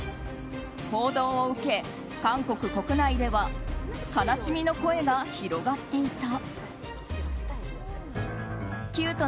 報道を受け、韓国国内では悲しみの声が広がっていた。